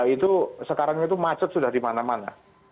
itu sekarang itu macet sudah di mana mana